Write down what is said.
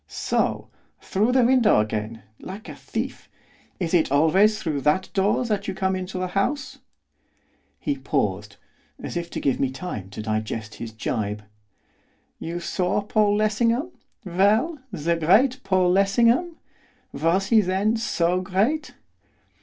'So! Through the window again! like a thief! Is it always through that door that you come into a house?' He paused, as if to give me time to digest his gibe. 'You saw Paul Lessingham, well? the great Paul Lessingham! Was he, then, so great?